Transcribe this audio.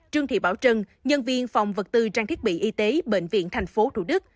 trương thị bảo trân nhân viên phòng vật tư trang thiết bị y tế bệnh viện tp thủ đức